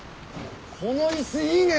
この椅子いいね！